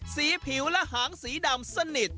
สีผิวและหางสีดำสนิท